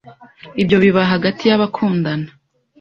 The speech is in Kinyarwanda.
ibyo biba hagati y’abakundana